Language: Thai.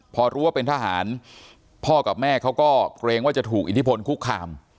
พอรู้ว่าเป็นทหารพ่อกับแม่เขาก็เกรงว่าจะถูกอิทธิพลคุกคาม